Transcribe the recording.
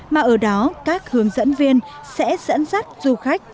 mà ở đó các hướng dẫn viên sẽ dẫn dắt du khách